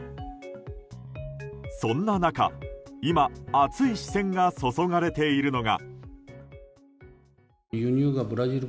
そんな中、今熱い視線が注がれているのが。